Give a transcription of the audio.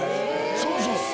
そうそう。